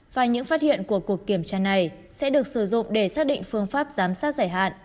và những phát hiện của cuộc kiểm tra này sẽ được sử dụng để xác định phương pháp giám sát giải hạn